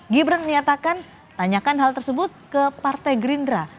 gibran menyatakan tanyakan hal tersebut ke partai gerindra